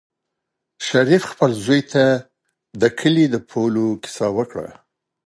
شریف خپل زوی ته د کلي د پولو کیسه وکړه.